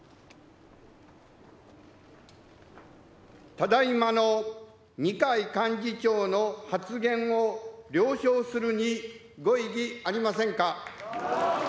ただいまの二階幹事長の発言を了承するに御異議ありませんか？